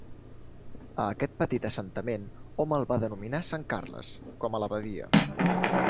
A aquest petit assentament hom el va denominar Sant Carles, com a la Badia.